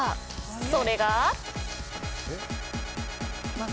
それが。